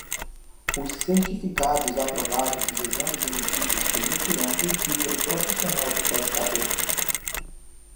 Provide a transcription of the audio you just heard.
Os certificados aprovados nos exames emitidos permitirão o título profissional de pescador.